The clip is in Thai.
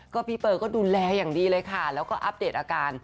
ก็พี่เปอร์ก็ดูแลอย่างดีเลยค่ะแล้วก็อัปเดตอาการ